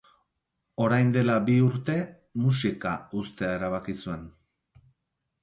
Orain dela bi urte, musika uztea erabaki zuen.